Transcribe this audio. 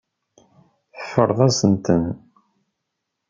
Teffreḍ-asent-ten.